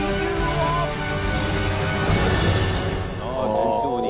△順調に。